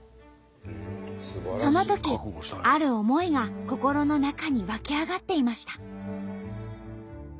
そのときある思いが心の中に湧き上がっていました。